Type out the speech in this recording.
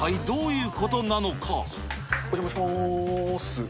お邪魔します。